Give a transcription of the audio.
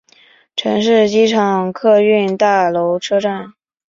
城市机场客运大楼车站。